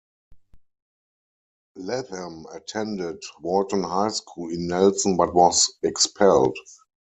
Latham attended Walton High School in Nelson but was expelled.